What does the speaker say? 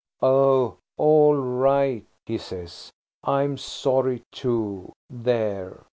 "Oh, all right," he says, "I'm sorry too. There!